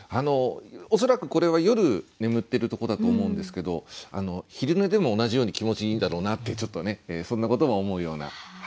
恐らくこれは夜眠ってるとこだと思うんですけど昼寝でも同じように気持ちいいんだろうなってちょっとねそんなことも思うような。